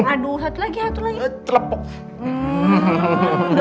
aduh satu lagi satu lagi